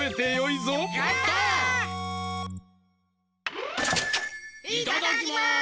いただきます！